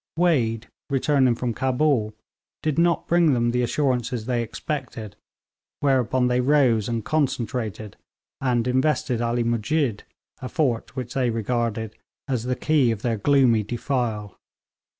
Wade, returning from Cabul, did not bring them the assurances they expected, whereupon they rose and concentrated and invested Ali Musjid, a fort which they regarded as the key of their gloomy defile.